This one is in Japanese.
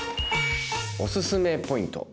おすすめポイント。